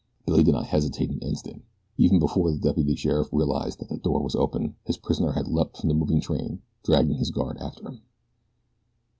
Billy did not hesitate an instant. Even before the deputy sheriff realized that the door was open, his prisoner had leaped from the moving train dragging his guard after him.